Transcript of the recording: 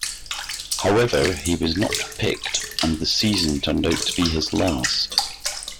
However he was not picked and the season turned out to be his last.